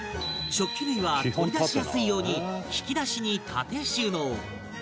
食器類は取り出しやすいように引き出しに縦収納